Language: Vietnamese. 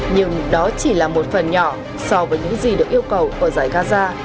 nhưng đó chỉ là một phần nhỏ so với những gì được yêu cầu ở giải gaza